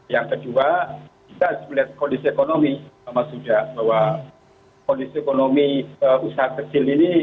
yang kedua kita lihat kondisi ekonomi sama sudah bahwa kondisi ekonomi usaha kecil ini